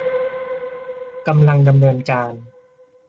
กำลังดำเนินการ